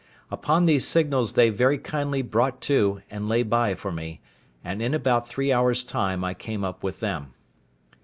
Upon these signals they very kindly brought to, and lay by for me; and in about three hours; time I came up with them.